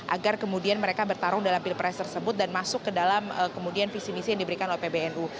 agar kemudian mereka bertarung dalam pilpres tersebut dan masuk ke dalam kemudian visi misi yang diberikan oleh pbnu